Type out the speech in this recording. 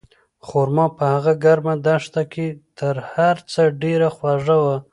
خورما په هغه ګرمه دښته کې تر هر څه ډېره خوږه وه.